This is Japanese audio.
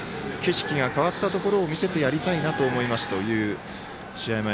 景色が変わったところを見せてやりたいなと思うという試合